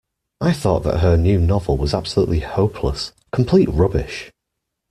I thought that her new novel was absolutely hopeless. Complete rubbish